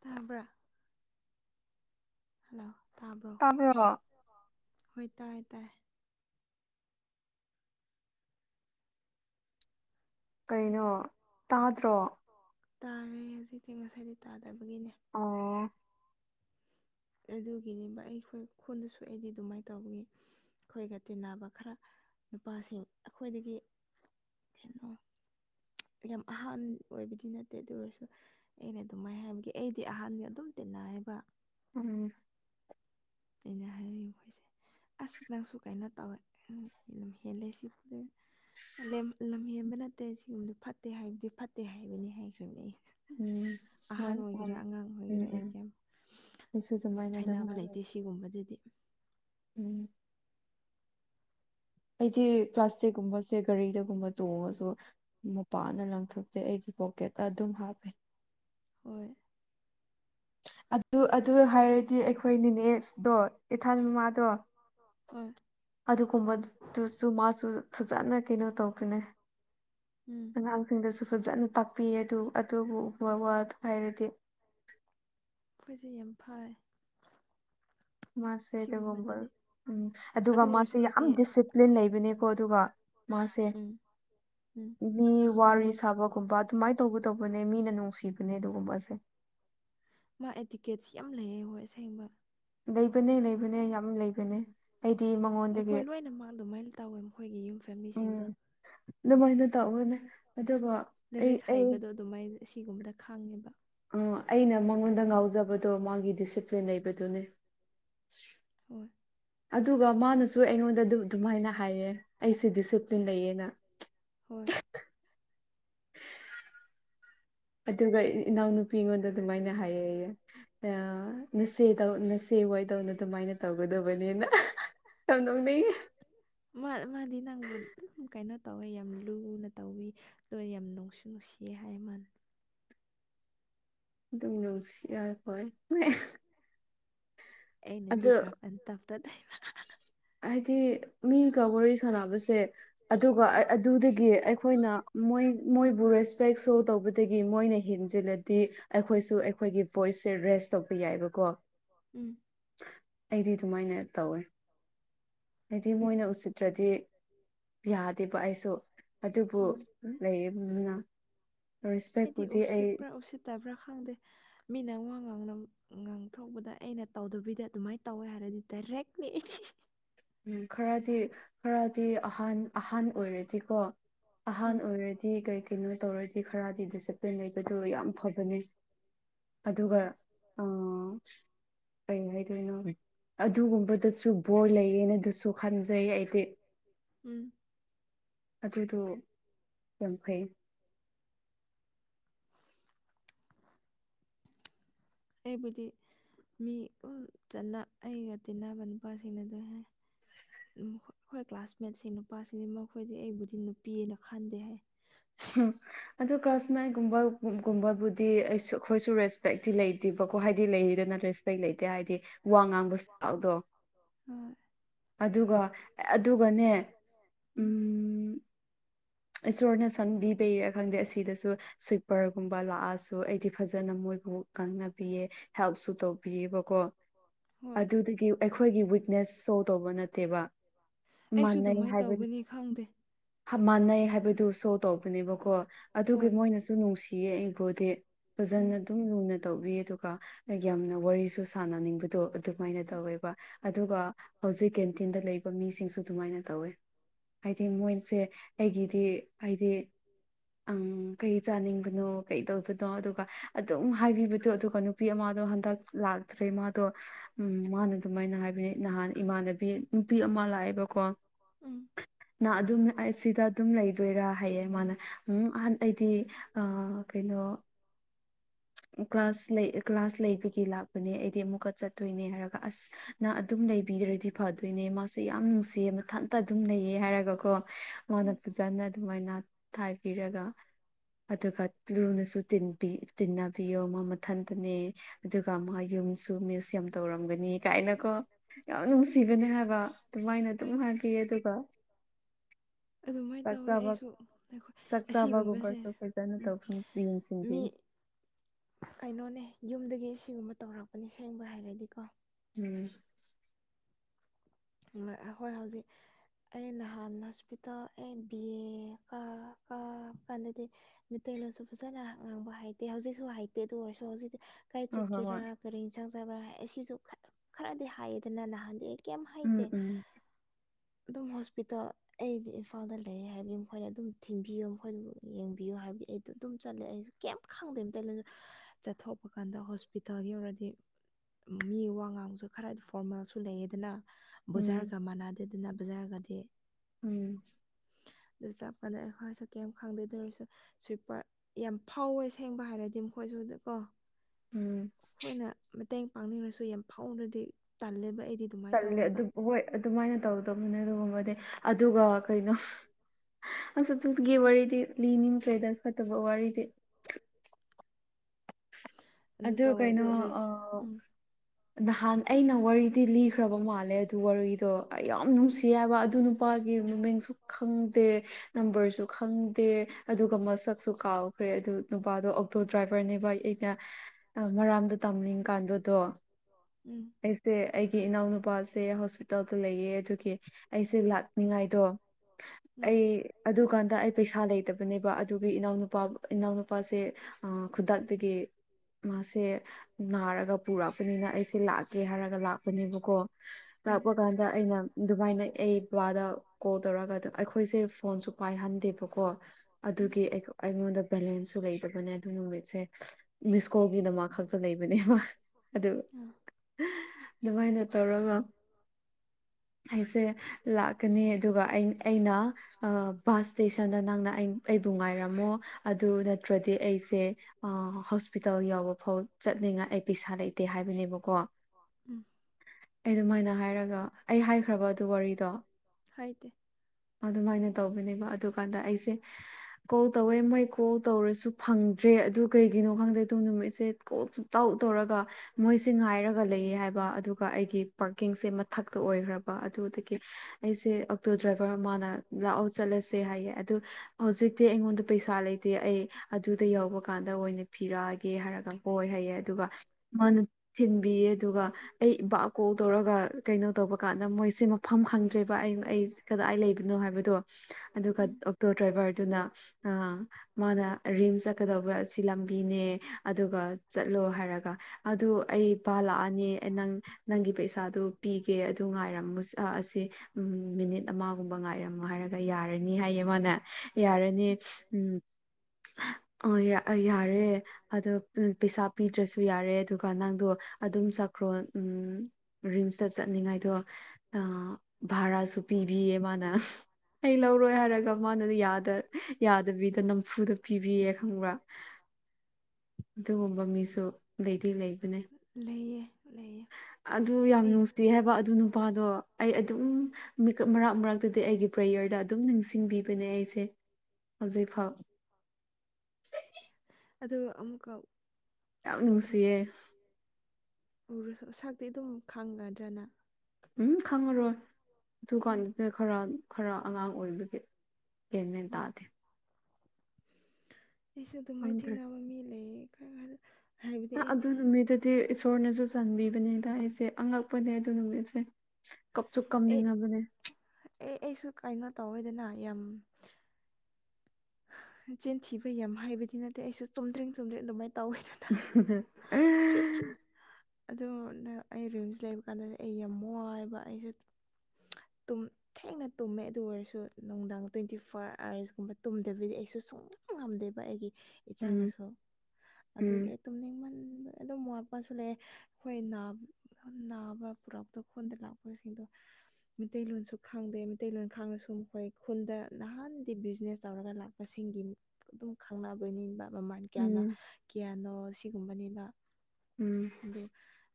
ꯇꯥꯕ꯭ꯔꯥ ꯍꯜꯂꯣ ꯇꯥꯕ꯭ꯔꯣ ꯇꯥꯕ꯭ꯔꯣ ꯍꯣꯏ ꯇꯥꯏꯦ ꯇꯥꯏ ꯀꯩꯅꯣ ꯇꯥꯗ꯭ꯔꯣ ꯇꯥꯔꯦ ꯍꯧꯖꯤꯛꯇꯤ ꯉꯁꯥꯏꯗꯤ ꯇꯥꯗꯕꯒꯤꯅꯦ꯫ ꯑꯣ ꯑꯗꯨꯒꯤꯅꯦꯕ ꯑꯩꯈꯣꯏ ꯈꯨꯟꯗꯁꯨ ꯑꯩꯗꯤ ꯑꯗꯨꯃꯥꯏꯅ ꯇꯧꯕꯒꯤ ꯑꯩꯈꯣꯏꯒ ꯇꯤꯟꯅꯕ ꯈꯔ ꯅꯨꯄꯥꯁꯤꯡ ꯑꯩꯈꯣꯏꯗꯒꯤ ꯀꯩꯅꯣ ꯌꯥꯝ ꯑꯍꯥꯟꯕ ꯑꯣꯏꯕꯗꯤ ꯅꯠꯇꯦ ꯑꯗꯨ ꯑꯣꯏꯔꯁꯨ ꯑꯩꯅ ꯑꯗꯨꯃꯥꯏꯅ ꯍꯥꯏꯕꯒꯤ ꯑꯩꯗꯤ ꯑꯍꯟꯒ ꯑꯗꯨꯝ ꯇꯤꯟꯅꯩꯌꯦꯕ ꯎꯝ꯫ ꯑꯩꯅ ꯍꯥꯏꯔꯤꯕ ꯃꯣꯏꯁꯦ ꯑꯁ ꯅꯪꯁꯨ ꯀꯩꯅꯣ ꯇꯧꯋꯦ ꯎꯝ ꯂꯝ ꯍꯦꯜꯂꯦ ꯁꯤꯕꯗꯨ ꯂꯝꯍꯦꯟꯕ ꯅꯠꯇꯦ ꯁꯤꯒꯨꯝꯕꯗ ꯐꯠꯇꯦ ꯍꯥꯏꯕꯗꯤ ꯐꯠꯇꯦ ꯍꯥꯏꯕꯅꯤ ꯍꯥꯏꯈ꯭ꯔꯕꯅꯦ ꯑꯩ ꯎꯝ ꯑꯍꯥꯟ ꯍꯣꯏ ꯑꯣꯏꯒꯦꯔꯥ ꯎꯝ ꯑꯉꯥꯡ ꯎꯝ ꯑꯣꯏꯒꯦꯔꯥ ꯑꯩ ꯎꯝ ꯀꯩꯝ ꯑꯩꯁꯨ ꯑꯗꯨꯃꯥꯏꯅ ꯑꯗꯨꯝ ꯈꯥꯏꯅꯕ ꯍꯥꯏꯔꯦ ꯂꯩꯇꯦ ꯁꯤꯒꯨꯝꯕꯗꯗꯤ ꯎꯝ ꯑꯩꯗꯤ ꯄ꯭ꯂꯥꯁꯇꯤꯛꯀꯨꯝꯕꯁꯦ ꯒꯥꯔꯤꯗ ꯨꯒꯨꯝꯕ ꯇꯣꯡꯉꯁꯨ ꯃꯄꯥꯟꯗ ꯂꯪꯊꯣꯛꯇꯦ ꯑꯩꯒꯤ ꯄꯣꯀꯦꯠꯇ ꯑꯗꯨꯝ ꯍꯥꯞꯄꯦ ꯍꯣꯏ ꯑꯗꯨ ꯑꯗꯨ ꯍꯥꯏꯔꯗꯤ ꯑꯩꯈꯣꯏ ꯅꯤꯅꯦꯁꯗꯣ ꯏꯊꯥꯟ ꯃꯃꯥꯗꯣ ꯍꯣꯏ ꯑꯗꯨꯒꯨꯝꯕꯗꯨꯁꯨ ꯃꯥꯁꯨ ꯐꯖꯅ ꯀꯩꯅꯣ ꯇꯧꯄꯅꯦ ꯎꯝ ꯑꯉꯥꯡꯁꯤꯡꯗꯁꯨ ꯐꯖꯅ ꯇꯥꯛꯄꯤꯌꯦ ꯑꯗꯨ ꯑꯗꯨꯕꯨ ꯋꯥ ꯋꯥꯗꯨ ꯍꯥꯏꯔꯗꯤ ꯑꯩꯈꯣꯏꯁꯦ ꯌꯥꯝ ꯐꯥꯏ ꯃꯥꯁꯦꯇ ꯀꯨꯝꯕ ꯑꯁꯤꯒꯨꯝꯕꯗꯗꯤ ꯎꯝ ꯑꯗꯨꯒ ꯑꯗꯨ ꯃꯥꯁꯦ ꯑꯣꯏꯔꯁꯨ ꯅꯨꯄꯤ ꯌꯥꯝ ꯗꯤꯁꯤꯄ꯭ꯂꯤꯟ ꯂꯩꯕꯅꯦꯀꯣ ꯑꯗꯨꯒ ꯃꯥꯁꯦ꯫ ꯎꯝ ꯎꯝ ꯃꯤ ꯋꯥꯔꯤ ꯁꯥꯕꯒꯨꯝꯕ ꯑꯗꯨꯃꯥꯏꯅ ꯇꯧꯒꯗꯧꯕꯅꯦ ꯃꯤꯅ ꯅꯨꯡꯁꯤꯕꯅꯦ ꯑꯗꯨꯒꯨꯝꯕꯁꯦ ꯃꯥ ꯑꯦꯇꯤꯀꯦꯠꯁ ꯌꯥꯝ ꯂꯩꯌꯦ ꯍꯣꯏ ꯑꯁꯦꯡꯕ ꯂꯩꯕꯅꯦ ꯂꯩꯕꯅꯦ ꯌꯥꯝ ꯂꯩꯕꯅꯦ ꯑꯩꯗꯤ ꯃꯉꯣꯟ ꯃꯈꯣꯏ ꯂꯣꯏꯅꯃꯛ ꯑꯗꯨꯃꯥꯏꯅ ꯇꯧꯋꯦ ꯃꯈꯣꯏꯒꯤ ꯌꯨꯝ ꯐꯦꯝꯂꯤꯁꯤꯡꯗꯣ ꯎꯝ ꯑꯗꯨꯃꯥꯏꯅ ꯇꯧꯕꯅꯦ ꯑꯗꯨꯒ ꯑꯩ ꯂꯥꯏꯔꯤꯛ ꯑꯩ ꯍꯩꯕꯗꯣ ꯑꯗꯨꯃꯥꯏꯅ ꯁꯤꯒꯨꯝꯕꯗ ꯈꯪꯉꯦꯕ ꯑ ꯑꯩꯅ ꯃꯉꯣꯟꯗ ꯉꯥꯎꯖꯕꯗꯣ ꯃꯥꯒꯤ ꯗꯤꯁꯤꯄ꯭ꯂꯤꯟ ꯂꯩꯕꯗꯨꯅꯦ ꯍꯣꯏ ꯑꯗꯨꯒ ꯃꯥꯅꯁꯨ ꯑꯩꯉꯣꯟꯗ ꯑꯗꯨ ꯑꯗꯨꯃꯥꯏꯅ ꯍꯥꯏꯌꯦ ꯑꯩꯁꯦ ꯗꯤꯁꯤꯄ꯭ꯂꯤꯟ ꯂꯩꯌꯦꯅ ꯍꯣꯏ ꯑꯗꯨꯒ ꯏꯅꯥꯎꯅꯨꯄꯤꯉꯣꯟꯗ ꯑꯗꯨꯃꯥꯏꯅ ꯍꯥꯏꯌꯦꯌꯦ ꯑ ꯅꯁꯦ ꯗꯧ ꯅꯆꯦ ꯍꯣꯏꯗꯧꯅ ꯑꯗꯨꯃꯥꯏꯅ ꯇꯧꯒꯗꯕꯅꯦꯅ ꯌꯥꯝ ꯅꯣꯛꯅꯤꯡꯉꯦ꯫ ꯃꯥꯗꯤ ꯅꯪꯕꯨ ꯑꯗꯨꯝ ꯀꯩꯅꯣ ꯇꯧꯋꯦ ꯌꯥꯝ ꯂꯨꯅ ꯇꯧꯋꯤ꯫ ꯗꯣꯏ ꯌꯥꯝ ꯅꯨꯡꯁꯨ ꯅꯨꯡꯁꯤꯌꯦ ꯍꯥꯏꯌꯦ ꯃꯥꯅ꯫ ꯑꯗꯨꯝ ꯌꯅꯨꯡꯁꯤ ꯌꯥ ꯍꯣꯏ꯫ ꯑꯩꯅꯗꯤ ꯑꯗꯣ ꯔꯞ ꯑꯦꯟ ꯇꯞꯇ [unintelligible] ꯍꯥꯏꯗꯤ ꯃꯤꯒ ꯋꯥꯔꯤ ꯁꯥꯟꯅꯕꯁꯦ꯫ ꯑꯗꯨꯒ ꯑꯗꯨꯗꯒꯤ ꯑꯩꯈꯣꯏꯅ ꯃꯣꯏ ꯃꯣꯏꯕꯨ ꯔꯦꯁꯄꯦꯛ ꯁꯣ ꯇꯧꯕꯗꯒꯤ ꯃꯣꯏꯅ ꯍꯦꯟꯖ ꯂꯗꯤ ꯑꯩꯈꯣꯏꯁꯨ ꯑꯩꯈꯣꯏꯒꯤ ꯚꯣꯏꯁꯁꯦ ꯔꯦꯁ ꯇꯧꯕ ꯌꯥꯏꯕꯀꯣ꯫ ꯎꯝ ꯑꯩꯗꯤ ꯑꯗꯨꯃꯥꯏꯅ ꯇꯧꯋꯦ ꯍꯥꯏꯗꯤ ꯃꯣꯏꯅ ꯎꯁꯤꯠꯇ꯭ꯔꯗꯤ ꯌꯥꯗꯦꯕ ꯑꯩꯁꯨ ꯑꯗꯨꯕꯨ ꯎꯝ ꯂꯩꯌꯦꯗꯅ ꯑꯩꯗꯤ ꯎꯁꯤꯠꯄ꯭ꯔꯥ ꯎꯁꯤꯠꯇꯕ꯭ꯔꯥ ꯈꯪꯗꯦ ꯃꯤꯅ ꯋꯥ ꯉꯥꯡꯅꯝ ꯉꯥꯡꯊꯣꯛꯄꯗ ꯑꯩꯅ ꯇꯧꯗꯕꯤꯗ ꯑꯗꯨꯃꯥꯏꯅ ꯇꯧꯋꯦ ꯍꯥꯏꯔꯗꯤ ꯗꯥꯏꯔꯦꯛꯅꯦ ꯑꯩꯗꯤ ꯎꯝ ꯈꯔꯗꯤ ꯈꯔꯗꯤ ꯑꯍꯥꯟ ꯑꯍꯥꯟ ꯑꯣꯏꯔꯗꯤꯀꯣ ꯎꯝ ꯑꯍꯥꯟ ꯑꯣꯏꯔꯗꯤ ꯀꯩ ꯀꯩꯅꯣ ꯇꯧꯔꯗꯤ ꯈꯔꯗꯤ ꯗꯤꯁꯤꯄ꯭ꯂꯤꯟ ꯂꯩꯕꯗꯨ ꯌꯥꯝ ꯐꯕꯅꯦ ꯑꯗꯨꯒ꯫ ꯍꯣꯏ ꯑ ꯀꯩ ꯍꯥꯏꯗꯣꯏꯅꯣ ꯑꯗꯨꯒꯨꯝꯕꯗꯁꯨ ꯕꯣꯔ ꯂꯩ꯫ ꯅ ꯑꯗꯨꯁꯨ ꯈꯟꯖꯩ ꯑꯩꯗꯤ꯫ ꯎꯝ ꯑꯗꯨꯗꯣ ꯌꯥꯝ ꯐꯩ ꯑꯩꯕꯨ ꯃꯤ ꯆꯅ ꯑꯩꯒ ꯇꯤꯟꯅꯕ ꯅꯨꯄꯥꯁꯤꯡꯅ ꯑꯗꯨꯝ ꯍꯥꯏ ꯑꯩꯈꯣꯏ ꯀ꯭ꯂꯥꯁꯃꯦꯠꯁꯤꯡ ꯅꯨꯄꯥꯁꯤꯗꯤ ꯃꯈꯣꯏꯗꯤ ꯑꯩꯕꯨꯗꯤ ꯅꯨꯄꯤꯑꯅ ꯈꯟꯗꯦ ꯍꯥꯏ ꯐ ꯑꯗꯨ ꯀ꯭ꯔꯣꯁ ꯃꯥꯏꯒꯨꯝꯕ ꯒꯨꯝꯕꯕꯨ꯫ ꯍꯥꯏꯗꯤ ꯑꯩ ꯑꯩꯈꯣꯏꯁꯨ ꯔꯦꯁꯄꯦꯛꯇꯤ ꯂꯩꯇꯦꯕꯀꯣ ꯍꯥꯏꯗꯤ ꯂꯩꯔꯤꯗꯅ ꯔꯦꯁꯄꯦꯛ ꯂꯩꯇꯦ ꯍꯥꯏꯗꯤ꯫ ꯋꯥ ꯉꯥꯡꯕ ꯁꯇꯥꯎꯗꯣ꯫ ꯍꯣꯏ꯫ ꯑꯗꯨꯒ ꯑꯗꯨꯒꯅꯦ ꯎꯝ꯫ ꯏꯁꯣꯔꯅ ꯁꯟꯕꯤꯕꯩꯔꯥ ꯈꯪꯗꯦ ꯑꯁꯤꯗꯁꯨ ꯁ꯭ꯋꯤꯞꯄꯔꯒꯨꯝꯕ ꯂꯥꯛꯑꯁꯨ ꯁꯨ ꯑꯩꯗꯤ ꯐꯖꯅ ꯃꯣꯏꯕꯨ ꯉꯥꯡꯅꯕꯤꯌꯦ ꯍꯦꯜꯞꯁꯨ ꯇꯧꯕꯤꯑꯕꯀꯣ ꯍꯣꯏ ꯑꯗꯨꯗꯒꯤ ꯑꯩꯈꯣꯏꯒꯤ ꯋꯤꯛꯅꯦꯁ ꯁꯣ ꯇꯧꯕ ꯅꯠꯇꯦꯕ ꯑꯩꯁꯨ ꯃꯥꯟꯅꯩ ꯑꯗꯨꯃꯥꯏꯅ ꯍꯥꯏꯕꯗꯤ ꯇꯧꯕꯅꯤ ꯈꯪꯗꯦ ꯃꯥꯟꯅꯩ ꯍꯥꯏꯕꯗꯨ ꯁꯣ ꯇꯧꯕꯅꯦꯕꯀꯣ ꯑꯗꯨꯒꯤ ꯍꯣꯏ ꯃꯣꯏꯅꯁꯨ ꯅꯨꯡꯁꯤꯌꯦ ꯑꯩꯕꯨꯗꯤ ꯎꯝ ꯐꯖꯅ ꯑꯗꯨꯝ ꯂꯨꯅ ꯇꯧꯕꯤ ꯑꯗꯨꯒ ꯌꯥꯝꯅ ꯋꯥꯔꯤꯁꯨ ꯁꯥꯟꯅꯅꯤꯡꯕꯗꯣ ꯑꯗꯨꯃꯥꯏꯅ ꯎꯝ ꯇꯧꯋꯦꯕ ꯑꯗꯨꯒ ꯍꯧꯖꯤꯛ ꯀꯦꯟꯇꯤꯟꯗ ꯂꯩꯕ ꯃꯤꯁꯤꯡꯁꯨ ꯑꯗꯨꯃꯥꯏꯅ ꯇꯧꯋꯦ ꯍꯥꯏꯗꯤ ꯃꯣꯏꯁꯦ ꯑꯩꯒꯤꯗꯤ ꯗꯤ ꯍꯥꯏꯗꯤ ꯑꯪ ꯀꯩ ꯆꯥꯅꯤꯡꯕꯅꯣ ꯀꯩ ꯇꯧꯕꯅꯣ ꯑꯗꯨꯒ ꯑꯗꯨꯝ ꯍꯥꯏꯕꯤꯕꯗꯣ ꯑꯗꯨꯒ ꯅꯨꯄꯤ ꯑꯃꯗꯣ ꯍꯟꯗꯛ ꯂꯥꯛꯇ꯭ꯔꯦ ꯃꯥꯗꯣ ꯎꯝ ꯃꯥꯅ ꯑꯗꯨꯃꯥꯏꯅ ꯍꯥꯏꯕꯅꯤ ꯅꯍꯥꯟ ꯏꯃꯥꯟꯅꯕꯤ ꯅꯨꯄꯤ ꯑꯃ ꯂꯥꯛꯑꯦꯕꯀꯣ ꯎꯝ ꯅ ꯑꯗꯨꯝ ꯑꯩ ꯁꯤꯗ ꯑꯗꯨꯝ ꯂꯩꯗꯣꯏꯔꯥ ꯍꯥꯏꯌꯦ ꯃꯥꯅ ꯎꯝ ꯑꯍꯟ ꯑꯩꯗꯤ ꯀꯩꯅꯣ ꯀ꯭ꯂꯥꯁ ꯀ꯭ꯂꯥꯁ ꯂꯩꯕꯒꯤ ꯂꯥꯛꯄꯅꯦ ꯑꯩꯗꯤ ꯑꯃꯨꯛꯀ ꯆꯠꯦ ꯆꯠꯇꯣꯏꯅꯦ ꯍꯥꯏꯔꯒ ꯑꯁꯅ ꯑꯗꯨꯝ ꯂꯩꯕꯤꯗ꯭ꯔꯗꯤ ꯐꯗꯣꯏꯅꯦ ꯃꯥꯁꯦ ꯌꯥꯝ ꯅꯨꯡꯁꯤ ꯑꯃ ꯑꯗꯨꯝ ꯂꯩꯌꯦ ꯍꯥꯏꯔꯒꯀꯣ ꯃꯥꯉꯣꯟꯅ ꯎꯝ ꯐꯖꯅ ꯑꯗꯨꯃꯥꯏꯅ ꯊꯥꯕꯤꯔꯒ ꯑꯗꯨꯒ ꯂꯨꯅꯁꯨ ꯇꯤꯟ ꯇꯤꯟꯅꯕꯤ ꯄꯤꯌꯣ ꯃꯥ ꯃꯊꯟꯇꯅꯦ ꯑꯗꯨꯒ ꯃꯥ ꯌꯨꯝꯁꯨ ꯃꯤꯛꯁ ꯌꯥꯝ ꯇꯧꯔꯝꯒꯅꯤ ꯀꯥꯏꯅꯀꯣ ꯌꯥꯝ ꯅꯨꯡꯁꯤꯕꯅꯦ ꯍꯥꯏꯕ ꯑꯗꯨꯃꯥꯏꯅ ꯑꯗꯨꯝ ꯍꯥꯕꯤꯌꯦ ꯑꯗꯨꯒ ꯇꯥꯗꯔꯦ [inaudible] ꯑꯗꯨꯃꯥꯏꯅ ꯆꯥꯛ ꯇꯧꯋꯦ ꯆꯥꯕ ꯑꯩꯁꯨ ꯑꯩꯈꯣꯏ ꯆꯥꯛ ꯑꯁꯤꯒꯨꯝꯕꯁꯦ ꯆꯥꯕꯒꯨꯝꯕꯁꯨ ꯐꯖꯅ ꯎꯝ ꯇꯧꯕꯤ ꯃꯤ ꯌꯦꯡꯁꯤꯟꯕꯤꯌꯨ ꯀꯩꯅꯣꯅꯦ ꯌꯨꯝꯗꯒꯤ ꯑꯁꯤꯒꯨꯝꯕ ꯇꯧꯔꯛꯄꯅꯦ ꯁꯦꯡꯕ ꯍꯥꯏꯔꯗꯤꯀꯣ ꯎꯝ ꯑꯈꯣꯏ ꯍꯧꯖꯤꯛ ꯑꯩ ꯅꯍꯥꯟ ꯍꯣꯁꯄꯤꯇꯥꯜ ꯑꯩ ꯕꯤ ꯑꯦ ꯀ ꯀꯥ ꯀꯥꯟꯗꯗꯤ ꯃꯤꯇꯩꯩꯂꯣꯟꯁꯨ ꯐꯖꯅꯍꯥ ꯍꯩꯇꯦ ꯍꯧꯖꯤꯛꯁꯨ ꯍꯩꯇꯦ ꯑꯗꯨ ꯑꯣꯏꯔꯁꯨ ꯍꯧꯖꯤꯛꯇꯤ ꯀꯥꯏ ꯍꯣꯏ ꯍꯣꯏ ꯆꯠꯀꯦꯔꯥ ꯍꯣꯏ ꯀꯔꯤ ꯏꯟꯁꯥꯡ ꯆꯥꯕ꯭ꯔꯥ ꯑꯁꯤꯁꯨ ꯈꯔꯗꯤ ꯍꯥꯏꯌꯦꯗꯅ ꯅꯍꯥꯟꯗꯤ ꯀꯩꯝ ꯇꯦ ꯎꯝ ꯎꯝ ꯑꯗꯨꯝ ꯍꯣꯁꯄꯤꯇꯥꯜ ꯑꯩꯗꯤ ꯏꯝꯐꯥꯜꯗ ꯂꯩ ꯍꯥꯏꯕꯩ ꯃꯈꯣꯏꯅ ꯑꯗꯨꯝ ꯊꯤꯟꯕꯤꯌꯨ ꯃꯈꯣꯏꯅ ꯌꯦꯡꯕꯤꯌꯨ ꯍꯥꯏꯕꯗꯤ ꯑꯩ ꯑꯗꯨꯝ ꯆꯠꯂꯦ ꯑꯩ ꯀꯩꯝ ꯈꯪꯗꯦꯕꯇ ꯑꯗꯨꯣꯏꯅ ꯆꯠꯊꯣꯛꯄ ꯀꯥꯟꯗ ꯍꯣꯁꯄꯤꯇꯥꯜꯒꯤ ꯑꯣꯏꯔꯗꯤ ꯃꯤ ꯋꯥ ꯉꯥꯡꯕꯁꯨ ꯈꯔꯗꯤ ꯐꯣꯔꯃꯦꯜꯁꯨ ꯂꯩꯌꯦꯗꯅ ꯎꯝ ꯕꯖꯥꯔꯒ ꯃꯥꯟꯅꯗꯦꯗꯨꯅ ꯕꯖꯥꯔꯒꯗꯤ ꯎꯝ ꯑꯗꯨ ꯆꯞꯄꯥꯟꯗ ꯑꯩꯈꯣꯏꯁꯨ ꯀꯩꯝ ꯈꯪꯗꯣꯏꯗꯔꯁꯨ ꯁ꯭ꯋꯤꯞꯄꯔ ꯌꯥꯝ ꯐꯥꯎꯋꯦ ꯁꯦꯡꯕ ꯍꯥꯏꯔꯗꯤ ꯃꯈꯣꯏ ꯁꯗ ꯀꯣ ꯎꯝ ꯑꯩꯈꯣꯏꯅ ꯃꯇꯦꯡ ꯄꯥꯡꯅꯤꯡꯉꯁꯨ ꯌꯥꯝ ꯐꯥꯎꯅꯗꯤ ꯇꯜꯂꯦꯕ ꯑꯩꯗꯤ ꯑꯗꯨꯃꯥꯏꯅ ꯆꯜꯂꯦ ꯇꯧꯋꯦꯕ ꯑꯗꯨ ꯍꯣꯏ ꯑꯗꯨꯃꯥꯏꯅ ꯇꯧꯔꯗꯕꯅꯦ ꯑꯗꯨꯒꯨꯝꯕꯗꯤ ꯑꯗꯨꯒ ꯀꯩꯅꯣ ꯑꯁꯒꯤ ꯋꯥꯔꯤꯗꯤ ꯂꯤꯅꯤꯡꯗ꯭ꯔꯦꯗ ꯐꯠꯇꯕ ꯋꯥꯔꯤꯗꯤ ꯑꯗꯨ ꯇꯧꯋꯦ ꯑꯗꯨ ꯀꯩꯅꯣ ꯔꯦ ꯑ ꯎꯝ ꯅꯍꯥꯟ ꯑꯩꯅ ꯋꯥꯔꯤꯗꯤ ꯂꯤꯈ꯭ꯔꯕ ꯃꯥꯜꯂꯦ ꯑꯗꯨ ꯋꯥꯔꯤꯗꯣ ꯑꯩ ꯌꯥꯝ ꯅꯨꯡꯁꯤ ꯍꯥꯏꯕ ꯑꯗꯨ ꯅꯨꯄꯥꯒꯤ ꯃꯃꯤꯡꯁꯨ ꯈꯪꯗꯦ ꯅꯝꯕꯔꯁꯨ ꯈꯪꯗꯦ ꯑꯗꯨꯒ ꯃꯁꯛꯁꯨ ꯀꯥꯎ ꯍꯣꯏ ꯑꯗꯨ ꯅꯨꯄꯥꯗꯣ ꯑꯣꯛꯇꯣ ꯗ꯭ꯔꯥꯏꯚꯔꯅꯦꯕ ꯑꯩꯒ ꯃꯔꯥꯝꯗꯣ ꯇꯝꯅꯤꯡ ꯀꯥꯟꯗꯨꯗꯣ ꯎꯝ ꯁꯦ ꯑꯩꯒꯤ ꯏꯅꯥꯎꯅꯨꯄꯥꯁꯦ ꯍꯣꯁꯄꯤꯇꯥꯜꯗ ꯂꯩꯌꯦ ꯑꯗꯨꯒꯤ ꯑꯩꯁꯦ ꯂꯥꯛꯅꯤꯡꯉꯥꯏꯗꯣ ꯎꯝ ꯑꯩ ꯑꯗꯨꯀꯥꯟꯗ ꯑꯩ ꯄꯩꯁꯥ ꯂꯩꯇꯕꯅꯦꯕ ꯑꯗꯨꯒꯤ ꯏꯅꯥꯎꯅꯨꯄꯥ ꯏꯅꯥꯎꯅꯨꯄꯥꯁꯦ ꯈꯨꯗꯛꯇꯒꯤ ꯃꯥꯁꯦ ꯅꯥꯔꯒ ꯄꯨꯔꯛꯄꯅꯤꯅ ꯑꯩꯁꯦ ꯂꯥꯛꯀꯦ ꯍꯥꯏꯔꯒ ꯂꯥꯛꯄꯅꯦꯕꯀꯣ ꯎꯝ ꯂꯥꯛꯄ ꯀꯥꯟꯗ ꯑꯩꯅ ꯑꯗꯨꯃꯥꯏꯅ ꯑꯩ ꯕꯥꯗ ꯀꯣꯜ ꯇꯧꯔꯒ ꯑꯩꯈꯣꯏꯁꯦ ꯐꯣꯟꯁꯨ ꯄꯥꯏꯍꯟꯗꯦꯕꯀꯣ ꯎꯝ ꯑꯗꯨꯒꯤ ꯑꯩꯉꯣꯟꯗ ꯕꯦꯂꯦꯟꯁꯁꯨ ꯂꯩꯗꯕꯅꯦ ꯑꯗꯨ ꯅꯨꯃꯤꯠꯁꯦ ꯃꯤꯁꯀꯣꯜꯒꯤ ꯗꯃꯛ ꯈꯛꯇ ꯂꯩꯕꯅꯦꯕ ꯑꯗꯨ ꯑ ꯑꯗꯨꯃꯥꯏꯅ ꯇꯧꯔꯒ ꯑꯩꯁꯦ ꯂꯥꯛꯀꯅꯤ ꯑꯗꯨꯒ ꯑꯩꯅ ꯕꯁ ꯏꯁꯇꯦꯁꯟꯗ ꯅꯪꯅ ꯑꯩꯕꯨ ꯉꯥꯏꯔꯝꯃꯣ ꯑꯗꯨ ꯅꯠꯇ꯭ꯔꯗꯤ ꯑꯩꯁꯦ ꯑ ꯍꯣꯁꯄꯤꯇꯥꯜ ꯌꯥꯎꯕ ꯐꯥꯎ ꯆꯠꯅꯤꯡꯉꯥꯏ ꯑꯩ ꯄꯩꯁꯥ ꯂꯩꯇꯦ ꯍꯥꯏꯕꯅꯦꯕꯀꯣ ꯎꯝ ꯑꯩ ꯗꯨꯃꯥꯏꯅ ꯍꯥꯏꯔꯒ ꯑꯩ ꯍꯥꯏꯈ꯭ꯔꯕ ꯑꯗꯨ ꯋꯥꯔꯤꯗꯣ ꯍꯥꯏꯗꯦ ꯑꯗꯨꯃꯥꯏꯅ ꯇꯧꯕꯅꯦꯕ ꯑꯗꯨꯀꯥꯟꯗ ꯑꯩꯁꯦ ꯀꯣꯜ ꯇꯧꯋꯦ ꯃꯣꯏ ꯀꯣꯜ ꯇꯧꯔꯁꯨ ꯐꯪꯗ꯭ꯔꯦ ꯑꯗꯨ ꯀꯩꯒꯤꯅꯣ ꯈꯪꯗꯦ ꯑꯗꯨ ꯅꯨꯃꯤꯠꯁꯦ ꯀꯣꯜꯁꯨ ꯇꯩ ꯇꯧꯔꯒ ꯃꯣꯏꯁꯦ ꯉꯥꯏꯔꯒ ꯂꯩꯌꯦ ꯍꯥꯏꯕ ꯑꯗꯨꯒ ꯑꯩꯒꯤ ꯄꯥꯔꯀꯤꯡꯁꯦ ꯃꯊꯛꯇ ꯑꯣꯏꯈ꯭ꯔꯕ ꯑꯗꯨꯗꯒꯤ ꯑꯩꯁꯦ ꯑꯣꯛꯇꯣ ꯗ꯭ꯔꯥꯏꯚꯔ ꯃꯥꯅ ꯂꯥꯛꯑꯣ ꯆꯠꯂꯁꯦ ꯍꯥꯏꯌꯦ ꯑꯗꯨ ꯍꯧꯖꯤꯛꯇꯤ ꯑꯩꯉꯣꯟꯗ ꯄꯩꯁꯥ ꯂꯩꯇꯦ ꯑꯩ ꯑꯗꯨꯗ ꯌꯧꯕ ꯀꯥꯟꯗ ꯑꯣꯏꯅ ꯐꯤꯔꯛꯑꯒꯦ ꯍꯥꯏꯔꯒ ꯍꯣꯏ ꯍꯥꯏꯌꯦ ꯑꯗꯨꯒ ꯃꯥꯅ ꯊꯤꯟꯕꯤꯌꯦ ꯑꯗꯨꯒ ꯑꯩ ꯏꯄꯥ ꯀꯣꯜ ꯇꯧꯔꯒ ꯀꯩꯅꯣ ꯇꯧꯕ ꯀꯥꯟꯗ ꯃꯣꯏꯁꯦ ꯃꯐꯝ ꯈꯪꯗ꯭ꯔꯦꯕ ꯑꯩ ꯑꯩ ꯀꯗꯥꯏ ꯂꯩꯕꯅꯣ ꯍꯥꯏꯕꯗꯣ ꯑꯗꯨꯒ ꯑꯣꯛꯇꯣ ꯗ꯭ꯔꯥꯏꯚꯔꯗꯨꯅ ꯑ ꯃꯥꯅ ꯔꯤꯝꯁ ꯆꯠꯀꯗꯧꯕ ꯑꯁꯤ ꯂꯝꯕꯤꯅꯦ ꯑꯗꯨꯒ ꯆꯠꯂꯣ ꯍꯥꯏꯔꯒ ꯑꯗꯨ ꯑꯩ ꯏꯄꯥ ꯂꯥꯛꯑꯅꯤ ꯅꯪ ꯅꯪꯒꯤ ꯄꯩꯁꯥꯗꯣ ꯄꯤꯒꯦ ꯑꯗꯨ ꯉꯥꯏꯔꯝꯁꯥ ꯁꯦ ꯎꯝ ꯃꯤꯅꯤꯠ ꯑꯃꯒꯨꯝꯕ ꯉꯥꯏꯔꯝꯃꯣ ꯍꯥꯏꯔꯒ ꯌꯥꯔꯅꯤ ꯍꯥꯏꯌꯦ ꯃꯥꯅꯦ ꯌꯥꯔꯅꯤ ꯎꯝ ꯑꯣ ꯌꯥ ꯌꯥꯔꯦ ꯑꯗꯣ ꯄꯩꯁꯥ ꯄꯤꯗ꯭ꯔꯁꯨ ꯌꯥꯔꯦ ꯑꯗꯨꯒ ꯅꯪꯗꯣ ꯑꯗꯨꯝ ꯆꯈ꯭ꯔꯣ ꯎꯝ ꯔꯤꯝꯁꯇ ꯆꯠꯅꯤꯡꯉꯥꯏꯗꯣ ꯚꯥꯔꯥꯁꯨ ꯄꯤꯕꯤꯌꯦ ꯃꯥꯅ ꯑꯩ ꯂꯧꯔꯣꯏ ꯍꯥꯏꯔꯒ ꯃꯥꯅꯗꯤ ꯌꯥꯗꯕꯤꯗ ꯅꯝꯐꯨꯗ ꯄꯤꯕꯤꯌꯦ ꯈꯪꯕ꯭ꯔꯥ ꯑꯗꯨꯒꯨꯝꯕ ꯃꯤꯁꯨ ꯂꯩꯗꯤ ꯂꯩꯕꯅꯦ ꯂꯩꯌꯦ ꯂꯩꯌꯦ ꯑꯗꯨ ꯌꯥꯝ ꯑꯩꯁꯨ ꯅꯨꯡꯁꯤ ꯍꯥꯏꯕ ꯑꯗꯨ ꯅꯨꯄꯥꯗꯣ ꯑꯩ ꯑꯗꯨꯝ ꯎꯝ ꯃꯔꯛ ꯃꯔꯛ ꯑꯗꯨꯏ ꯑꯩꯒꯤ ꯄ꯭ꯔꯦꯌꯔꯗ ꯑꯗꯨꯝ ꯅꯤꯡꯁꯤꯡꯕꯤꯕꯅꯦ ꯑꯩꯁꯦ ꯍꯧꯖꯤꯛꯐꯥꯎ ꯑꯗꯣ ꯑꯃꯨꯛꯀ ꯌꯥꯝ ꯊꯝ ꯅꯨꯡꯁꯤꯌꯦ ꯎꯔꯗꯤ ꯃꯁꯛꯇꯤ ꯑꯗꯨꯝ ꯈꯪꯒꯗ꯭ꯔ ꯅꯪ ꯎꯝ ꯈꯪꯉꯔꯣꯏ ꯎꯝ ꯗꯨꯀꯥꯟꯗꯨꯗ ꯈꯔ ꯈꯔ ꯑꯉꯥꯡ ꯑꯣꯏꯕꯒꯤ ꯒꯦꯟꯃꯦꯟ ꯇꯥꯗꯦ ꯑꯩꯁꯨ ꯑꯗꯨꯝ ꯈꯪꯗ꯭ꯔꯦ ꯃꯥꯏꯊꯦꯡꯅꯕ ꯃꯤ ꯂꯩꯌꯦ ꯈꯒ ꯑꯗꯨ ꯅꯨꯃꯤꯠꯇꯗꯤ ꯏꯁꯣꯔꯅꯁꯨ ꯆꯥꯟꯕꯤꯕꯅꯦꯗ ꯑꯩꯁꯦ ꯑꯉꯛꯄꯅꯦ ꯑꯗꯨ ꯅꯨꯃꯤꯠꯁꯦ ꯀꯛꯁꯨ ꯀꯝꯅꯤꯡꯉꯕꯅꯦ ꯑꯦ ꯑꯩꯁꯨ ꯀꯩꯅꯣ ꯇꯧꯋꯦꯗꯅ ꯌꯥꯝ ꯆꯦꯟ ꯊꯤꯕ ꯌꯥꯝ ꯍꯥꯏꯕꯗꯤ ꯅꯠꯇꯦ ꯑꯩꯁꯨ ꯆꯨꯝꯗ꯭ꯔꯤ ꯆꯨꯝꯗ꯭ꯔꯤ ꯑꯗꯨꯃꯥꯏꯅ ꯇꯧꯋꯦꯗꯅ ꯁꯦꯠ ꯑꯗꯨ ꯅ ꯑꯩ ꯔꯤꯝꯁ ꯂꯩꯕ ꯀꯥꯟꯗꯗꯤ ꯑꯩ ꯌꯥꯝ ꯋꯥꯏꯕ ꯑꯩꯖꯦ ꯊꯦꯡꯅ ꯇꯨꯝꯃꯦ ꯑꯗꯨ ꯑꯣꯏꯔꯁꯨ ꯅꯨꯡꯗꯥꯡ ꯇ꯭ꯋꯦꯟꯇꯤ ꯐꯣꯔ ꯑꯥꯋꯔꯁꯀꯨꯝꯕ ꯇꯨꯝꯗꯕꯤꯗꯤ ꯑꯩꯁꯨ ꯁꯨꯡ ꯉꯝꯗꯦꯕ ꯑꯩꯒꯤ ꯎꯝ ꯏꯆꯥꯅꯁꯨ ꯎꯝ ꯑꯗꯨꯒꯤ ꯇꯨꯝꯅꯤꯡ ꯃꯟ ꯑꯗꯨꯝ ꯋꯥꯔꯛꯄꯁꯨ ꯂꯩꯑꯦ ꯑꯩꯈꯣꯏ ꯅꯥ ꯅꯥꯕ ꯄꯨꯔꯛꯄ ꯈꯨꯟꯗ ꯂꯥꯛꯄꯁꯤꯡꯗꯣ ꯃꯩꯇꯩꯂꯣꯟꯁꯨ ꯈꯥꯡꯗꯦ ꯃꯩꯇꯩꯂꯣꯟ ꯈꯪꯉꯁꯨ ꯃꯈꯣꯏ ꯈꯨꯟꯗ ꯅꯍꯥꯟꯗꯤ ꯕꯤꯖꯤꯅꯦꯁ ꯇꯧꯔꯒ ꯂꯥꯛꯄꯁꯤꯡꯒꯤ ꯑꯗꯨꯝ ꯈꯪꯅꯕ ꯅꯤꯡꯕ ꯃꯃꯥꯟ ꯀꯌꯥꯅ ꯎꯝ ꯀꯤꯌꯥꯅꯣ ꯁꯤꯒꯨꯝꯕꯅꯦꯕ ꯎꯝ ꯑꯗꯨ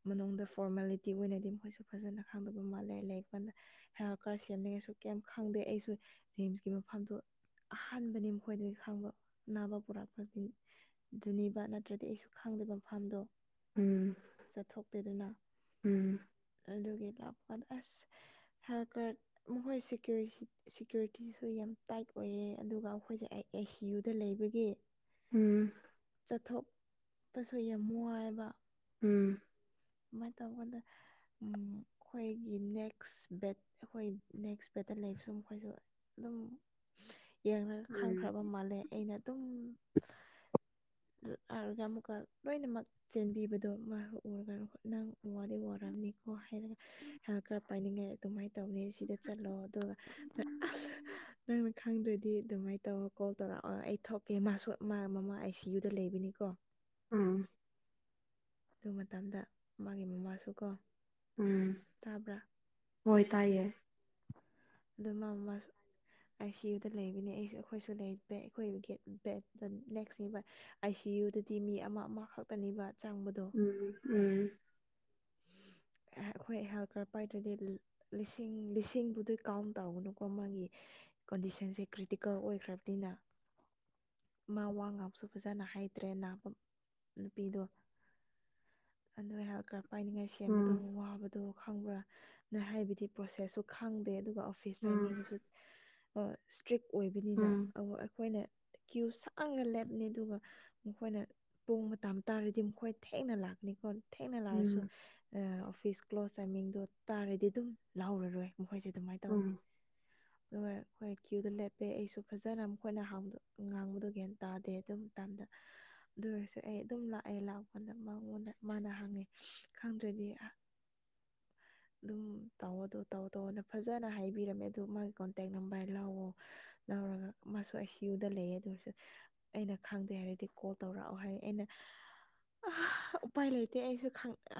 ꯃꯅꯨꯡꯗ ꯐꯣꯔꯃꯦꯂꯤꯇꯤ ꯑꯣꯏꯅꯗꯤ ꯃꯈꯣꯏꯁꯨ ꯐꯖꯅ ꯈꯪꯗꯕ ꯃꯥꯜꯂꯦ ꯂꯩ ꯀꯥꯟꯗ ꯍ ꯀꯥꯔ ꯁꯦꯝꯅꯤꯡꯉꯁꯨ ꯀꯩꯝ ꯈꯪꯗꯦ ꯑꯩꯁꯨ ꯔꯤꯝꯁꯀꯤ ꯃꯐꯝꯗꯨ ꯑꯍꯥꯟꯕꯅꯤ ꯃꯈꯣꯏꯗꯒꯤ ꯈꯪꯕ ꯑꯅꯥꯕ ꯄꯨꯔꯛꯄꯁꯤ ꯅꯤꯕ ꯅꯠꯇ꯭ꯔꯗꯤ ꯑꯩꯁꯨ ꯈꯪꯗꯕ ꯃꯐꯝꯗꯣ ꯎꯝ ꯆꯠꯊꯣꯛꯇꯦꯗꯅ ꯎꯝ ꯑꯗꯨꯒꯤ ꯂꯥꯛꯄꯀꯥꯟꯗ ꯑꯁ ꯍꯦꯜꯠ ꯀꯔꯠ ꯃꯈꯣꯏꯒꯤ ꯁꯦꯀ꯭ꯌꯨꯔꯤꯇꯤꯁꯨ ꯌꯥꯝ ꯇꯥꯏꯠ ꯑꯣꯏꯌꯦ ꯑꯗꯨꯒ ꯑꯩꯈꯣꯏꯁꯦ ꯑꯩ ꯑꯥꯏ ꯁꯤ ꯌꯨꯗ ꯂꯩꯕꯒꯤ ꯎꯝ ꯆꯠꯊꯣꯛꯄꯁꯨ ꯌꯥꯝ ꯋꯥꯏꯋꯦꯑꯕ ꯎꯝ ꯃꯥꯏ ꯇꯧꯕꯗ ꯎꯝ ꯑꯩꯈꯣꯏꯒꯤ ꯅꯦꯛꯁ ꯕꯦꯠ ꯑꯩꯈꯣꯏ ꯅꯦꯛꯁ ꯕꯦꯠꯇ ꯂꯩꯕ ꯁꯨꯝ ꯃꯈꯣꯏꯁꯨ ꯑꯗꯨꯝ ꯌꯦꯡꯈ꯭ꯔꯒ ꯎꯝ ꯈꯪꯈ꯭ꯔꯕ ꯃꯥꯜꯂꯦ ꯑꯩꯅ ꯑꯗꯨꯝ ꯂꯥꯔꯒ ꯑꯃꯨꯛꯀ ꯂꯣꯏꯅꯃꯛ ꯆꯦꯟꯕꯤꯕꯗꯣ ꯃꯥ ꯎꯔꯒꯅ ꯅꯪ ꯋꯥ ꯋꯥꯔꯝꯅꯤꯀꯣ ꯍꯥꯏꯔꯒ ꯍꯦꯜ ꯀꯥꯔ ꯄꯥꯏꯅꯤꯡꯉꯥꯏ ꯑꯗꯨꯃꯥꯏꯅ ꯇꯧꯅꯤ ꯁꯤꯗ ꯆꯠꯂꯣ ꯑꯗꯨꯒ ꯅꯪꯅ ꯈꯪꯗꯔ꯭ꯤ ꯗꯤ ꯑꯗꯨꯃꯥꯏꯅ ꯇꯧꯔ ꯀꯣꯜ ꯇꯧꯔꯛꯑꯣ ꯑꯩ ꯊꯣꯛꯀꯦ ꯃꯥꯁꯨ ꯃꯃꯥ ꯑꯥꯏ ꯁꯤ ꯌꯨꯗ ꯂꯩꯕꯅꯤꯀꯣ ꯎꯝ ꯑꯗꯨ ꯃꯇꯝꯗ ꯃꯥꯒꯤ ꯃꯃꯥꯁꯨ ꯀꯣ ꯎꯝ ꯇꯥꯕ꯭ꯔꯥ ꯍꯣꯏ ꯇꯥꯏꯌꯦ ꯑꯗꯨ ꯃꯥ ꯃꯥꯁꯨ ꯑꯥꯏ ꯁꯤ ꯌꯨꯗ ꯂꯩꯕꯅꯦ ꯑꯩꯁꯨ ꯑꯩꯈꯣꯏꯁꯨ ꯂꯩ ꯑꯩꯈꯣꯏ ꯕꯦꯠ ꯅꯦꯛꯁꯅꯦꯕ ꯑꯥꯏ ꯁꯤ ꯌꯨꯗꯗꯤ ꯃꯤ ꯑꯃ ꯑꯃꯈꯛꯇꯅꯦꯕ ꯆꯪꯕꯗꯣ ꯎꯝ ꯎꯝ ꯑꯩꯈꯣꯏ ꯍꯦꯜ ꯀꯥꯔ ꯄꯥꯏꯗ꯭ꯔꯗꯤ ꯂꯤꯁꯤꯡ ꯂꯤꯁꯤꯡꯕꯨꯗꯨ ꯀꯥꯎꯟ ꯇꯧꯒꯅꯨꯀꯣ ꯃꯥꯒꯤ ꯀꯣꯟꯗꯤꯁꯟꯁꯦ ꯀ꯭ꯔꯤꯇꯤꯀꯦꯜ ꯑꯣꯏꯈ꯭ꯔꯕꯅꯤꯅ ꯃꯥ ꯋꯥ ꯉꯥꯡꯕꯁꯨ ꯐꯖꯅ ꯍꯩꯇ꯭ꯔꯦ ꯅꯥꯕ ꯅꯨꯄꯤꯗꯣ ꯑꯗꯨꯣ ꯍꯦꯜ ꯀ꯭ꯔ ꯄꯥꯏꯅꯤꯡꯉꯥꯏ ꯁꯦꯝꯕꯗꯣ ꯎꯝ ꯋꯥꯕꯗꯣ ꯈꯪꯕ꯭ꯔꯥꯅ ꯍꯥꯏꯕꯗꯤ ꯄ꯭ꯔꯣꯁꯦꯁꯁꯨ ꯈꯪꯗꯦ ꯑꯗꯨꯒ ꯎꯝ ꯏꯁꯥꯏꯃꯤꯡꯁꯨ ꯏꯁꯇ꯭ꯔꯤꯛ ꯑꯣꯏꯕꯅꯤꯅ ꯎꯝ ꯑꯩꯈꯣꯏꯅ ꯀ꯭ꯌꯨ ꯁꯥꯡꯅ ꯂꯦꯞꯅꯤ ꯑꯗꯨꯒ ꯃꯈꯣꯏꯅ ꯄꯨꯡ ꯃꯇꯝ ꯇꯥꯔꯗꯤ ꯃꯈꯣꯏ ꯊꯦꯡꯅ ꯂꯥꯛꯀꯅꯤꯀꯣ ꯊꯦꯡꯅ ꯂꯥꯛꯑꯥꯁꯨ ꯎꯝ ꯑꯣꯐꯤꯁ ꯀ꯭ꯂꯣꯁ ꯇꯥꯏꯃꯤꯡꯗꯣ ꯇꯥꯔꯗꯤ ꯑꯗꯨꯝ ꯂꯥꯎꯔꯔꯣꯏ ꯃꯈꯣꯏꯁꯦ ꯑꯗꯨꯃꯥꯏꯅ ꯇꯧꯅꯤ ꯎꯝ ꯑꯗꯨꯒ ꯑꯩꯈꯣꯏ ꯀ꯭ꯌꯨꯗ ꯂꯦꯞꯄꯦ ꯑꯩꯁꯨ ꯐꯖꯅ ꯃꯈꯣꯏꯅ ꯍꯥꯡꯕ ꯉꯥꯡꯕꯗꯨꯒ ꯒꯌ꯭ꯥꯟ ꯇꯥꯗꯦ ꯑꯗꯨ ꯃꯇꯝꯗ ꯑꯗꯨ ꯑꯣꯏꯔꯁꯨ ꯑꯩ ꯑꯗꯨꯝ ꯂꯥꯛꯑꯦ ꯂꯥꯛꯄꯗ ꯃꯉꯣꯟꯗ ꯃꯥꯅ ꯍꯪꯉꯦ ꯈꯪꯗ꯭ꯔꯗꯤ [unintelligible] ꯑꯗꯨꯝ ꯇꯧꯑꯣ ꯑꯗꯨ ꯇꯧ ꯇꯧꯅ ꯐꯖꯅ ꯍꯥꯏꯕꯤꯔꯝꯃꯦ ꯑꯗꯨꯗ ꯃꯥꯒꯤ ꯀꯣꯟꯇꯦꯛ ꯅꯝꯕꯔ ꯂꯧꯑꯣ ꯂꯧꯔꯒ ꯃꯥꯁꯨ ꯑꯥꯏ ꯁꯤ ꯌꯨꯗ ꯂꯩꯌꯦ ꯑꯗꯨ ꯑꯣꯏꯔꯁꯨ ꯑꯩꯅ ꯈꯪꯗꯦ ꯍꯥꯏꯔꯗꯤ ꯀꯣꯜ ꯇꯧꯔꯛꯑꯣ ꯍꯥꯏ ꯑꯩꯅ ꯑ ꯎꯄꯥꯏ ꯂꯩꯇꯦ ꯑꯩꯁꯨ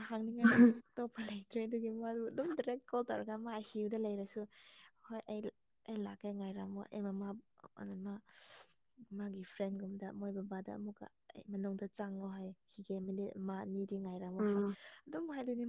ꯍꯥꯡꯅꯤꯡꯉꯥꯏ ꯃꯤ ꯑꯇꯣꯞꯄ ꯂꯩ ꯇ꯭ꯔꯦ ꯑꯗꯨꯒꯤ ꯃꯥꯗꯨ ꯑꯗꯨꯝ ꯗꯥꯏꯔꯦꯛ ꯀꯣꯜ ꯇꯧꯔꯒ ꯃꯥ ꯑꯥꯏ ꯁꯤ ꯌꯨꯗ ꯂꯩꯔꯁꯨ ꯍꯣꯏ ꯑꯩ ꯑꯩ ꯂꯥꯛꯀꯦ ꯉꯥꯏꯔꯝꯃꯣ ꯑꯩ ꯃꯃꯥ ꯑꯗꯨꯅ ꯃꯥꯒꯤ ꯐ꯭ꯔꯦꯟꯒꯨꯝꯕꯗ ꯃꯣꯏ ꯕꯕꯥꯗ ꯑꯃꯨꯛꯀ ꯑꯩ ꯃꯅꯨꯡꯗ ꯆꯪꯉꯣ ꯍꯥꯏ ꯈꯤꯒꯦ ꯃꯤꯅꯤꯠ ꯃꯥ ꯑꯅꯤꯗꯤ ꯉꯥꯏꯔꯝꯃꯣ ꯍꯥꯏ ꯎꯝ ꯑꯗꯨꯝ ꯍꯥꯏꯅꯤ ꯃꯥ